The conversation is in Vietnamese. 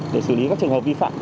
để xử lý các trường hợp vi phạm